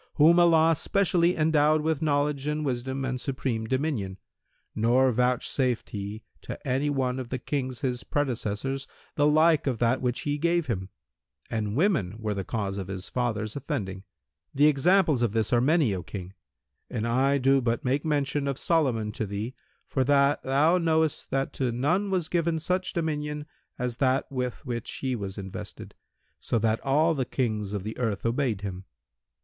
whom Allah specially endowed with knowledge and wisdom and supreme dominion, nor vouchsafed He to any one of the Kings his predecessors the like of that which He gave him; and women were the cause of his father's offending. The examples of this are many, O King, and I do but make mention of Solomon to thee for that thou knowest that to none was given such dominion as that with which he was invested, so that all the Kings of the earth obeyed him.